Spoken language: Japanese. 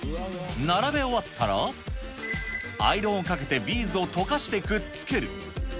並べ終わったら、アイロンをかけてビーズを溶かしてくっつける。